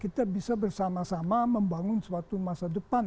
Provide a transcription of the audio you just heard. kita bisa bersama sama membangun suatu masyarakat